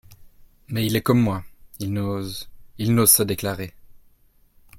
Mais il est comme moi… il n’ose… il n’ose se déclarer…